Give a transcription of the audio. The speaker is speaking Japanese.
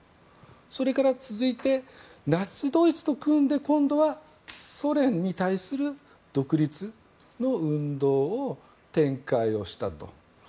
それから続いてナチスドイツと組んで今度はソ連に対する独立の運動の展開をしたと。